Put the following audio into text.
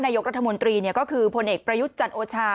นายกรัฐมนตรีก็คือผลเอกประยุทธ์จันโอชา